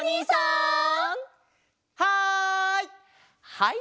はい！